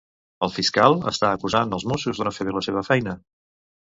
El fiscal està acusant als Mossos de no fer bé la seva feina?